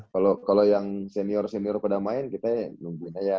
kalau yang senior senior pada main kita nungguin aja